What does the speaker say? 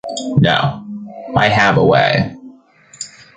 No... I have a way...